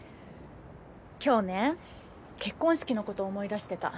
今日ね結婚式の事思い出してた。